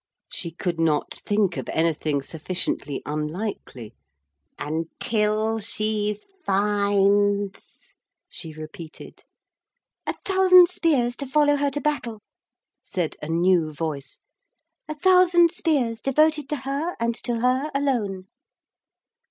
She could not think of anything sufficiently unlikely 'until she finds,' she repeated 'A thousand spears to follow her to battle,' said a new voice, 'a thousand spears devoted to her and to her alone.'